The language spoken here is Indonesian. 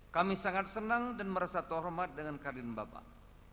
kami sangat senang dan merasa terhormat dengan kadin bapak